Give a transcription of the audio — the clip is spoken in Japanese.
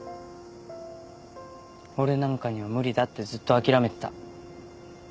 俺なんかには無理だってずっと諦めてた。